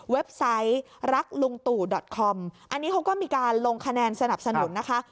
ไซต์รักลุงตู่ดอตคอมอันนี้เขาก็มีการลงคะแนนสนับสนุนนะคะ